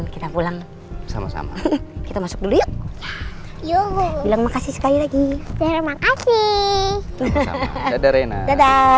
kita pulang sama sama kita masuk dulu yuk yuk bilang makasih sekali lagi terima kasih